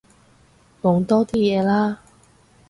講多啲嘢啦